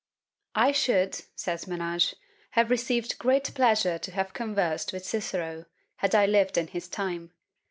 "I should," says Menage, "have received great pleasure to have conversed with Cicero, had I lived in his time.